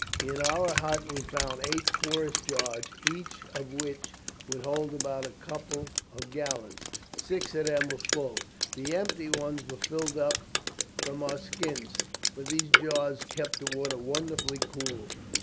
In our hut we found eight porous jars, each of which would hold about a couple of gallons. Six of them were full. The empty ones we filled up from our skins, for these jars keep the water wonderfully cool.